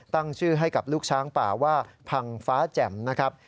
ตั้งชื่อให้กับลูกช้างป่าว่าพังฟ้าแจ่มนะครับ